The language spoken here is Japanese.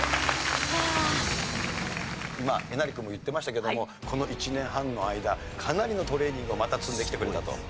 今えなり君も言ってましたけどもこの１年半の間かなりのトレーニングをまた積んできてくれたと。